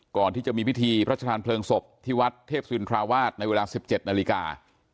ก่อนที่จะมีพิธีพระชาธานเพลิงศพที่วัดเทพศินทราวาสในเวลา๑๗นาฬิกา